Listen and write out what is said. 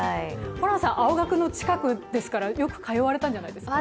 ホランさん、青学の近くですからよく通われたんじゃないですか？